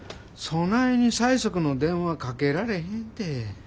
そないに催促の電話かけられへんて。